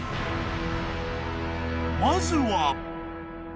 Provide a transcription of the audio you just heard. ［まずは］